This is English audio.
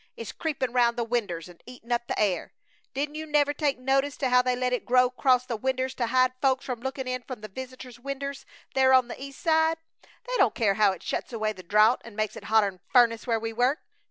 It's creepin' round the winders an' eatin' up the air. Didn't you never take notice to how they let it grow acrost the winders to hide folks from lookin' in from the visitor's winders there on the east side? They don't care how it shuts away the draught and makes it hotter 'n a furnace where we work!